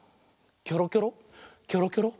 キョロキョロキョロキョロ。